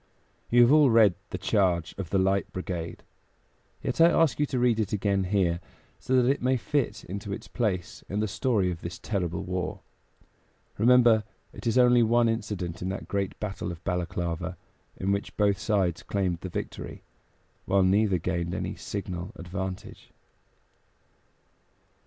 You have all read "The Charge of the Light Brigade"; yet I ask you to read it again here, so that it may fit into its place in the story of this terrible war. Remember, it is only one incident of that great battle of Balaklava, in which both sides claimed the victory, while neither gained any signal advantage.